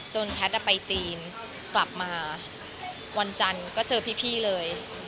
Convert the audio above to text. แพทย์ไปจีนกลับมาวันจันทร์ก็เจอพี่เลย